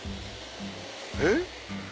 えっ？